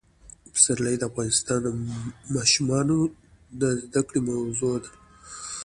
پسرلی د افغان ماشومانو د زده کړې موضوع ده.